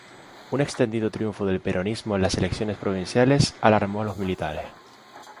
Un extendido triunfo del peronismo en las elecciones provinciales alarmó a los militares.